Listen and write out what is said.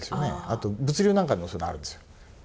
あと物流なんかでもそういうのがあるんですよ。